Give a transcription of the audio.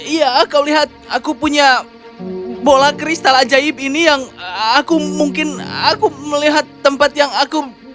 iya kau lihat aku punya bola kristal ajaib ini yang aku mungkin aku melihat tempat yang aku